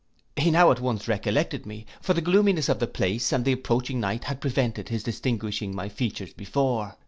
He now at once recollected me; for the gloominess of the place and the approaching night had prevented his distinguishing my features before.